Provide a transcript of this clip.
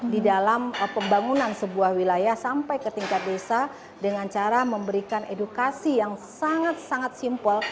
di dalam pembangunan sebuah wilayah sampai ke tingkat desa dengan cara memberikan edukasi yang sangat sangat simpel